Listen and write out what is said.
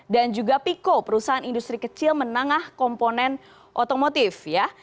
dan juga pico perusahaan industri kecil menangah komponen otomotif ya